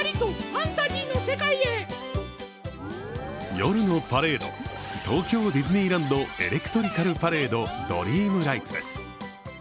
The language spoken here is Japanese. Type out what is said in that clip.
夜のパレード、東京ディズニーランドエレクトリカルパレード・ドリームライツ。